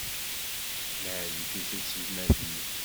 Yeɛjeb-it uselmad-nni.